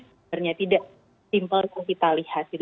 sebenarnya tidak simple kalau kita lihat